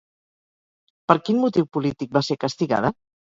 Per quin motiu polític va ser castigada?